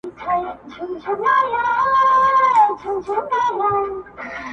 دا ريارکار چې زي سجـــــــــدې له نو تندے راکاږي